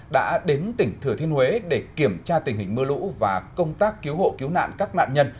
đã đến tỉnh thừa thiên huế để kiểm tra tình hình mưa lũ và công tác cứu hộ cứu nạn các nạn nhân